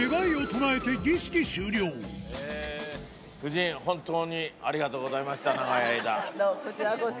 夫人、本当にありがとうござこちらこそ。